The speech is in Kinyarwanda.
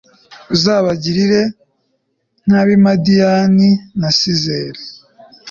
uzabagire nk'ab'i madiyani na sizera